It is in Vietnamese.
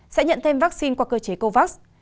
sẽ nhận thêm vaccine qua cơ chế covax